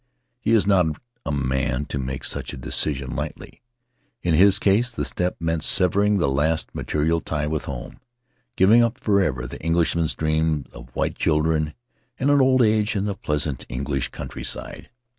He is not a man to make such a decision lightly; in his case the step meant severing the last material tie with home, giving up forever the Englishman's dreams of white children and an old age in the pleasant English countryside.